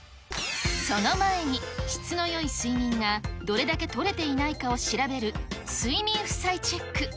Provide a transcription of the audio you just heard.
その前に、質のよい睡眠がどれだけとれていないかを調べる、睡眠負債チェック。